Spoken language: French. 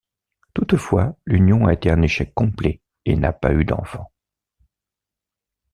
Toutefois, l'union a été un échec complet et n' pas eu d'enfant.